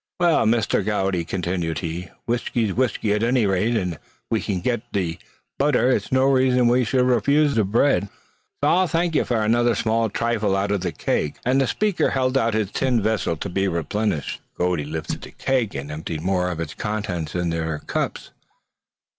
"Well, Misther Gowdey," continued he, "whisky's whisky at any rate; and if we can't get the butther, it's no raison we should refuse the brid; so I'll thank ye for another small thrifle out of the kig," and the speaker held out his tin vessel to be replenished. Gode lifted the keg, and emptied more of its contents into their cups.